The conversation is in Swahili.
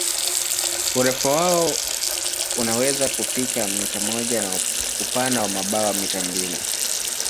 Urefu wao unaweza kufika mita moja na upana wa mabawa mita mbili.